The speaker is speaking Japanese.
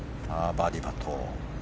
バーディーパット。